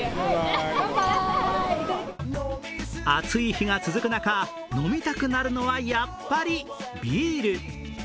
暑い日が続く中、飲みたくなるのはやっぱりビール。